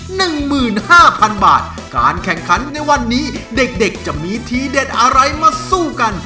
หนึ่งหมื่นห้าพันบาทการแข่งขันในวันนี้เด็กเด็กจะมีทีเด็ดอะไรมาสู้กัน